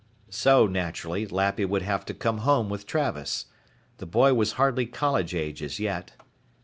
So, naturally, Lappy would have to come home with Travis. The boy was hardly college age as yet.